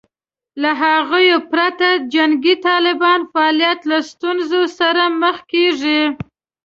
له هغوی پرته د جنګي طالبانو فعالیت له ستونزې سره مخ کېږي